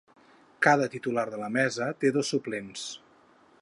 Cada titular de la mesa té dos suplents.